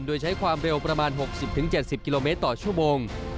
โดยใช้ความเร็วประมาณ๖๐๗๐กิโลเมตรต่อชั่วโมง